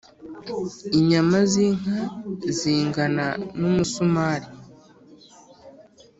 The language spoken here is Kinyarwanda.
inyama zinka zingana numusumari